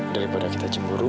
daripada kita cemburu